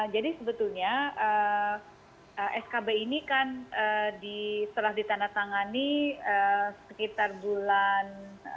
jadi sebetulnya skb ini kan setelah ditandatangani sekitar bulan